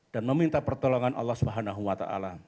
dan meminta pertolongan allah swt